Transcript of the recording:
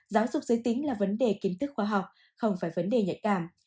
giáo dục giới tính là vấn đề kiến thức khoa học không phải vấn đề nhạy cảm